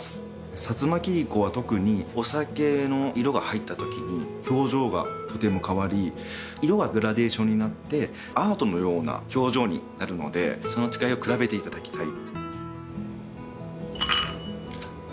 薩摩切子は特にお酒の色が入ったときに表情がとても変わり色はグラデーションになってアートのような表情になるのでその違いを比べていただきたい